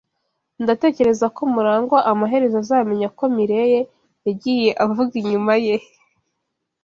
Ndatekereza ko MuragwA amaherezo azamenya ko Mirelle yagiye avuga inyuma ye.